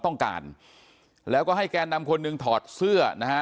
ต้องการแล้วก็ให้แกนนำคนหนึ่งถอดเสื้อนะฮะ